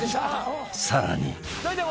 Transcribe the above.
［さらに］